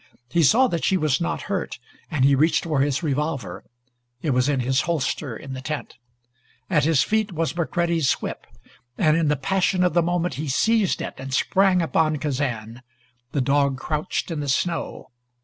He saw that she was not hurt, and he reached for his revolver. It was in his holster in the tent. At his feet was McCready's whip, and in the passion of the moment he seized it and sprang upon Kazan. The dog crouched in the snow.